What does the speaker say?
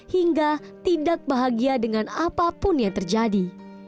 hingga tidak bahagia dengan apapun yang terjadi